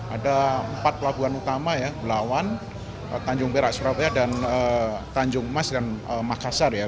ada empat pelabuhan utama belawan tanjung priok surabaya dan tanjung emas dan makassar